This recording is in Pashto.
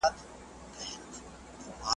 ملنګه ! ستوري څۀ وائي چې ځمکې ته راګوري؟ ,